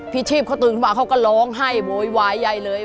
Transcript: พี่ชีพเขาตื่นมาเขาก็ร้องให้โบยวายใหญ่เลย